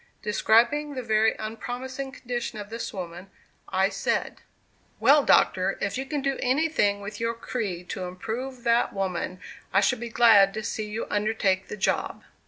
Describing the very unpromising condition of this woman, I said: "Well, Doctor, if you can do anything with your creed to improve that woman, I should be glad to see you undertake the job."